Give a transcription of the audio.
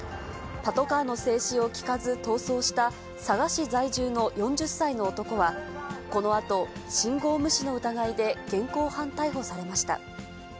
パトカーの制止を聞かず逃走した、佐賀市在住の４０歳の男は、このあと、信号無視の疑いで現行犯逮捕されました。